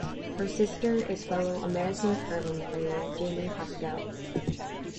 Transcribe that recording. Her sister is fellow American Curling player Jamie Haskell.